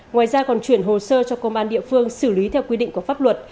ngoài ra còn chuyển hồ sơ cho công an địa phương xử lý theo quy định của pháp luật